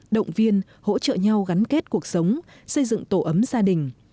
động viên hỗ trợ nhau gắn kết cuộc sống xây dựng tổ ấm gia đình